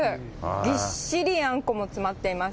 ぎっしりあんこも詰まっています。